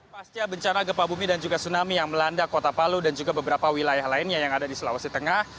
pasca bencana gempa bumi dan juga tsunami yang melanda kota palu dan juga beberapa wilayah lainnya yang ada di sulawesi tengah